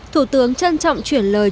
thủ tướng trân trọng chuyển lời